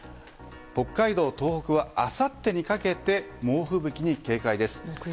北海道、東北はあさってにかけて猛吹雪に警戒です。